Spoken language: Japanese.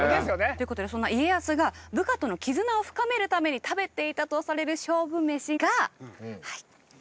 ということでそんな家康が部下との絆を深めるために食べていたとされる勝負メシがこちらです。